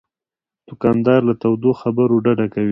دوکاندار له تودو خبرو ډډه کوي.